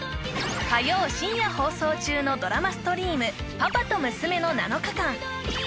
火曜深夜放送中のドラマストリーム「パパとムスメの７日間」